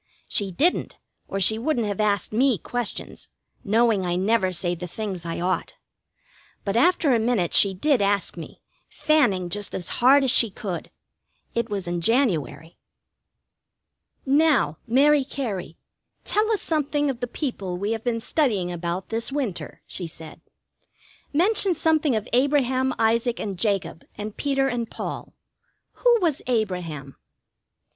She didn't, or she wouldn't have asked me questions, knowing I never say the things I ought. But after a minute she did ask me, fanning just as hard as she could. It was in January. "Now, Mary Cary, tell us something of the people we have been studying about this winter," she said, "Mention something of Abraham, Isaac, and Jacob, and Peter and Paul. Who was Abraham?"